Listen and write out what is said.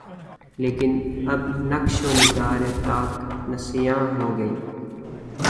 لیکن اب نقش و نگارِ طاق نسیاں ہو گئیں